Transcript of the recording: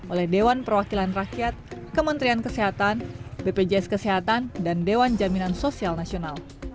oleh dewan perwakilan rakyat kementerian kesehatan bpjs kesehatan dan dewan jaminan sosial nasional